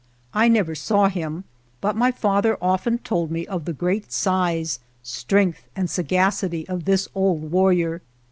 I never saw him, but my father often told me of the great size, strength, and sagacity of this old warrior.